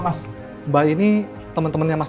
mas mbak ini temen temennya mas